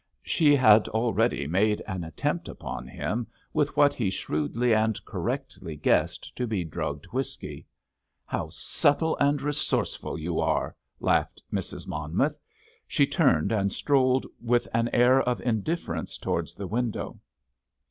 She had already made an attempt upon him with what he shrewdly and correctly guessed to be drugged whisky. "How subtle and resourceful you are!" laughed Mrs. Monmouth. She turned and strolled with an air of indifference towards the window.